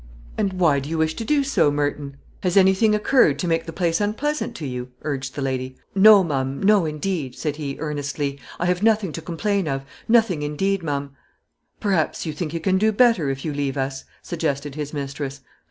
"And why do you wish to do so, Merton? Has anything occurred to make the place unpleasant to you?" urged the lady. "No, ma'am no, indeed," said he, earnestly, "I have nothing to complain of nothing, indeed, ma'am." "Perhaps, you think you can do better, if you leave us?" suggested his mistress.